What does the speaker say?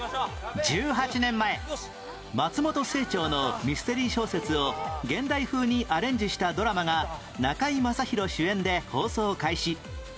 １８年前松本清張のミステリー小説を現代風にアレンジしたドラマが中居正広主演で放送開始